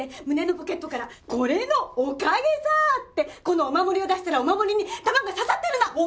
胸のポケットから「これのおかげさ！」ってこのお守りを出したらお守りに弾が刺さってるの！